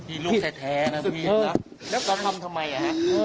พี่รู้สึกผิดนะแล้วเราทำทำไมอ่ะ